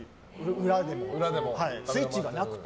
裏でもスイッチがなくて。